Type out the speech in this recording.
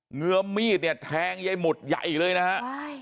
เหมือมีดเนี่ยแทงยายหมุดใหญ่เลยนะฮะใช่